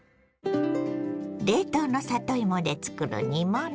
冷凍の里芋で作る煮物。